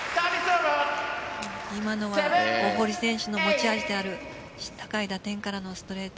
今のは大堀選手の持ち味である高い打点からのストレート。